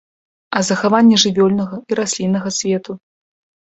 А захаванне жывёльнага і расліннага свету?